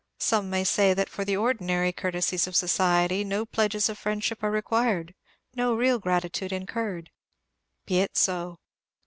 Some may say that for the ordinary courtesies of society no pledges of friendship are required, no real gratitude incurred. Be it so.